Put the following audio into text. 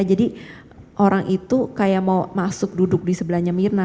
jadi orang itu kayak mau masuk duduk di sebelahnya mirna